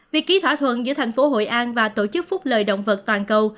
việc ký thỏa thuận giữa thành phố hội an và tổ chức phúc lợi động vật toàn cầu